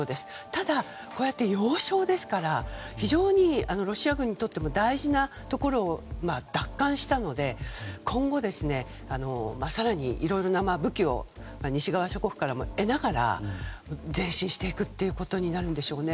ただ、こういった要衝ですから非常にロシア軍にとっても大事なところを奪還したので今後、更にいろいろな武器を西側諸国から得ながら前進していくことになるんでしょうね。